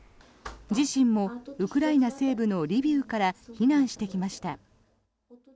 自身もウクライナ西部のリビウから避難してきました。